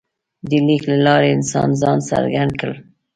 د لیک له لارې انسان ځان څرګند کړ.